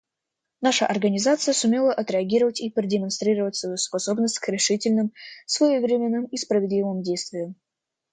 Наша Организация сумела отреагировать и продемонстрировать свою способность к решительным, своевременным и справедливым действиям.